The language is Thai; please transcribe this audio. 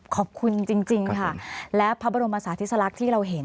ขอบคุณจริงค่ะและภาพบรมศาสตร์ทฤษฎรักษ์ที่เราเห็น